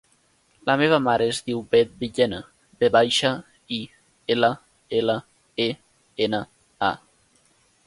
La meva mare es diu Bet Villena: ve baixa, i, ela, ela, e, ena, a.